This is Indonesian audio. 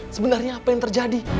sebenarnya apa yang terjadi